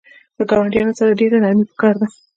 د ګاونډیانو سره ډیره نرمی پکار ده